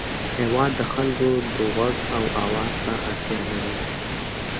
هېواد د خلکو د غوږ او اواز ته اړتیا لري.